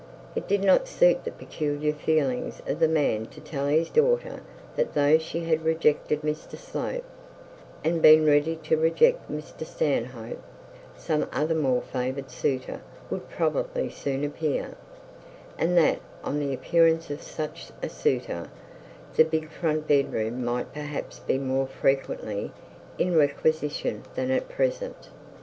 It did not suit the peculiar feelings of the man to tell his daughter that though she had rejected Mr Slope, and been ready to reject Mr Stanhope, some other more favoured suitor would probably soon appear; and that on the appearance of such a suitor the big front bed room might perhaps be more frequently in requisition than at present.